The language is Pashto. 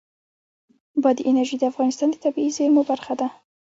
بادي انرژي د افغانستان د طبیعي زیرمو برخه ده.